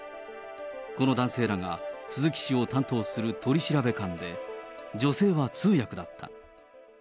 この男性らが鈴木氏を担当する取調官で、女性は通訳だった。